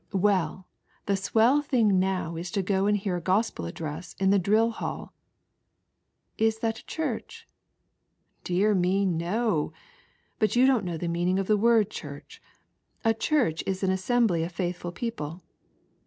" Well, the swell thing now is to go and hear n gospel address in the Drill Hatl." " Iq that a Chnrch ?"" Dear me, no ; but you don't know the meaning of the word Church. A Church is an assembly of faith ful people.